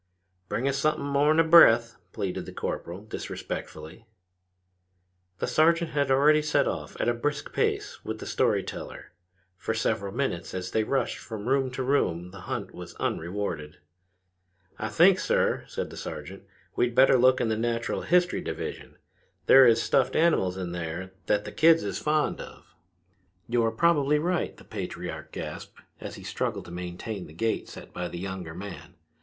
"Bring us something more'n a breath," pleaded the corporal, disrespectfully. The sergeant had already set off at a brisk pace with the story teller. For several minutes as they rushed from room to room the hunt was unrewarded. "I think, sir," said the sergeant, "we'd better look in the natural history division. There is stuffed animals in there that the kids is fond of." "You're probably right," the patriarch gasped as he struggled to maintain the gait set by the younger man.